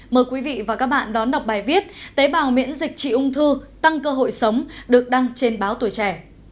mời quý vị và các bạn đón đọc bài viết tế bào miễn dịch trị ung thư tăng cơ hội sống được đăng trên báo tuổi trẻ